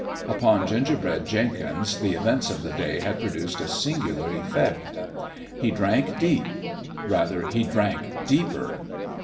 Upon Gingerbread Jenkins the events of the day had produced a singular effect. He drank deep. Rather, he drank deeper.